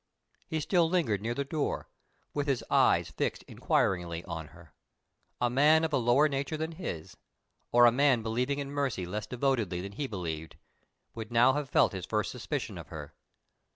He still lingered near the door, with his eyes fixed inquiringly on her. A man of a lower nature than his, or a man believing in Mercy less devotedly than he believed, would now have felt his first suspicion of her.